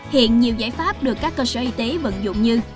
hiện nhiều giải pháp được các cơ sở y tế vận dụng như